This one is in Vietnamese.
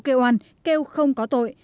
tòa án kêu không có tội